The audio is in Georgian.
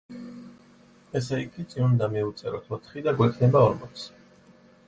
ესე იგი წინ უნდა მივუწეროთ ოთხი და გვექნება ორმოცი.